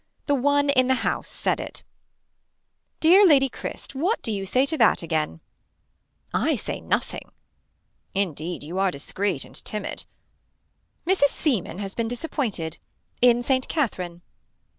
The one in the house said it. Dear Lady Cryst what do you say to that again. I say nothing. Indeed you are discreet and timid. Mrs. Seeman has been disappointed. In Saint Katherine.